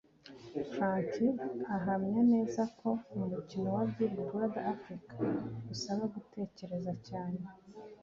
Frankie ahamya neza ko umukino wa Big Brother Africa usaba gutekereza cyane